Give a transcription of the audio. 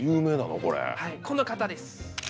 はいこの方です。